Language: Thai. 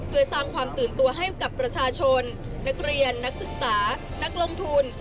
เพื่อสร้างความตื่นตัวให้กับประชาชนนักเรียนนักศึกษานักลงทุน